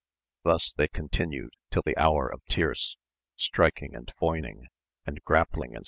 Thus they continued till the hour of tierce, striking and foyning, and grappUng and.